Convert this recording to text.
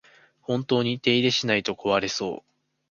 本当に手入れしないと壊れそう